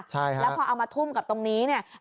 ใช่แล้วพอเอามาทุ่มกับตรงนี้เนี่ย